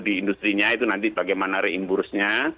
di industrinya itu nanti bagaimana reimbursenya